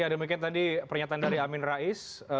ya demikian tadi pernyataan dari amin rais